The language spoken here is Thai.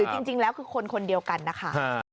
หรือจริงแล้วคือคนเดียวกันนะคะ